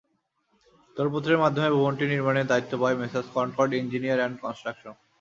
দরপত্রের মাধ্যমে ভবনটি নির্মাণের দায়িত্ব পায় Messrs Concord engineer and construction.